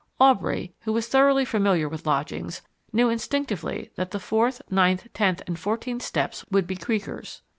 Aubrey, who was thoroughly familiar with lodgings, knew instinctively that the fourth, ninth, tenth, and fourteenth steps would be creakers.